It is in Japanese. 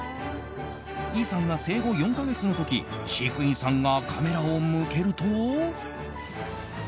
イーサンが生後４か月の時飼育員さんがカメラを向けると。